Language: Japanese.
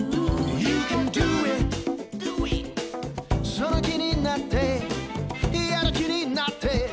「その気になってやる気になって」